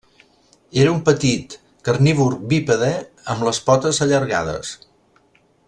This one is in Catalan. Era un petit carnívor bípede amb les potes allargades.